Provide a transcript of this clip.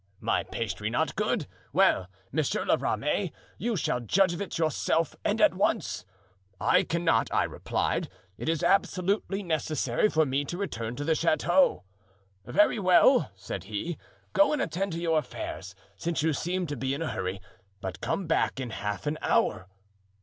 'My pastry not good! Well, Monsieur La Ramee, you shall judge of it yourself and at once.' 'I cannot,' I replied; 'it is absolutely necessary for me to return to the chateau.' 'Very well,' said he, 'go and attend to your affairs, since you seem to be in a hurry, but come back in half an hour.